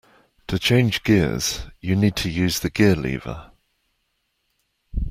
To change gears you need to use the gear-lever